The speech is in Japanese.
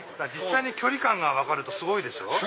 実際に距離感が分かるとすごいでしょ。